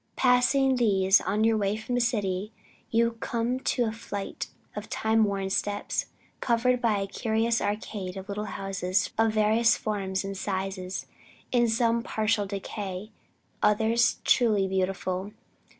Passing these, on your way from the city, you come to a flight of time worn steps, covered by a curious arcade of little houses of various forms and sizes, some in partial decay, others truly beautiful.